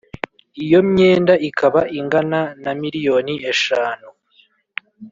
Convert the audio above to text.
iyo myenda ikaba ingana na miliyoni eshanu